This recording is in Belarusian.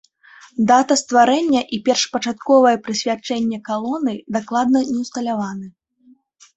Дата стварэння і першапачатковае прысвячэнне калоны дакладна не ўсталяваны.